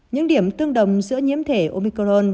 những điểm tương đồng giữa nhiễm thể omicron